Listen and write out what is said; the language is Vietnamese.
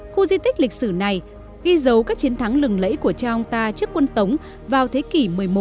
khu di tích lịch sử này ghi dấu các chiến thắng lừng lẫy của cha ông ta trước quân tống vào thế kỷ một mươi một